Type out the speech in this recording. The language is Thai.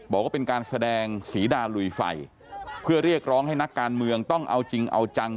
บอกว่าเป็นการแสดงศรีดาลุยไฟเพื่อเรียกร้องให้นักการเมืองต้องเอาจริงเอาจัง